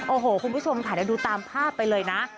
โอ้โหคุณผู้ชมถ่ายได้ดูตามภาพไปเลยนะ